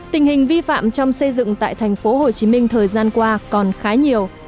tình hình vi phạm trong xây dựng tại thành phố hồ chí minh thời gian qua còn khá nhiều